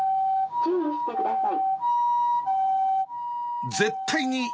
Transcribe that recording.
注意してください。